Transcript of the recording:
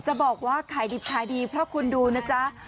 จะบอกว่าขายดิบขายดีเพราะคุณดูนะจ๊ะ